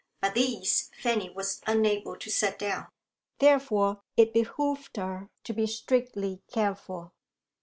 But these Fanny was unable to set down. Therefore it behoved her to be strictly careful.